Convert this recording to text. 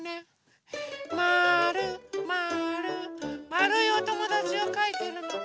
まるいおともだちをかいてるの。